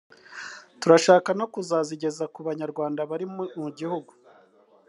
turashaka no kuzazigeza ku banyarwanda bari mu gihugu